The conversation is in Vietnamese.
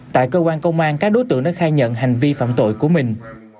tại cơ quan công an các đối tượng đã khai nhận hành vi phạm tội của mình